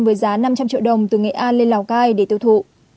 với giá năm trăm linh triệu đồng từ nghệ an lên lào cai để tiêu thụ